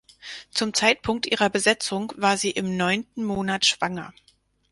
Zum Zeitpunkt ihrer Besetzung war sie im neunten Monat schwanger.